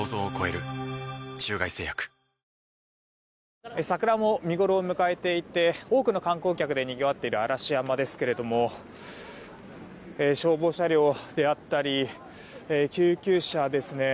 「碧Ａｏ」桜も見ごろを迎えていて多くの観光客でにぎわっている嵐山ですが消防車両だったり救急車ですね